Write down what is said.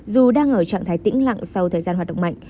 dù đang ở trạng thái tĩnh lặng sau thời gian hoạt động mạnh